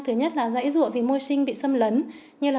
thứ nhất là dãy rụa vì môi sinh bị xâm lấn